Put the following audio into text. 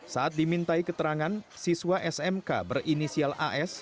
saat dimintai keterangan siswa smk berinisial as